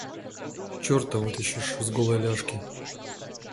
Черта вытащишь из голой ляжки.